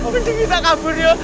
mending kita kabur yuk